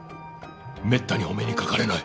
めったにお目にかかれない！